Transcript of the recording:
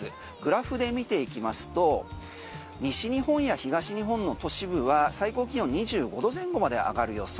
グラフで見ていきますと西日本や東日本の都市部は最高気温２５度前後まで上がる予想。